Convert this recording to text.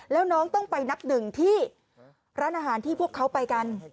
แล้วน้องต้องไปนับหนึ่งที่ร้านอาหารที่พวกเขาไปกัน